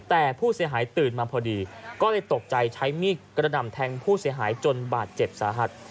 แต่ผู้เสียหายตื่นมาพอดีก็เลยตกใจใช้มีดกระหน่ำแทงผู้เสียหายจนบาดเจ็บสาหัส